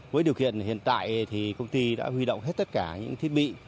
với điều kiện hiện tại thì công ty đã huy động hết tất cả những thiết bị